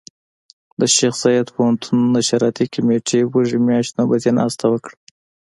د شيخ زايد پوهنتون نشراتو کمېټې وږي مياشتې نوبتي ناسته وکړه.